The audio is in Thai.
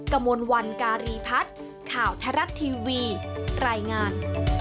กมลวันการีพัฒน์ข่าวทรัศน์ทีวีรายงาน